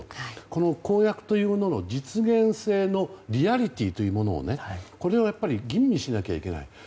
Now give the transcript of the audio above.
この公約というものの実現性のリアリティーというのをこれを吟味しなければいけない。